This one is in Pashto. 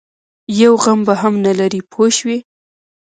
یو غم به هم نه لري پوه شوې!.